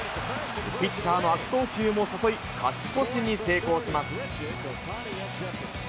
ピッチャーの悪送球も誘い、勝ち越しに成功します。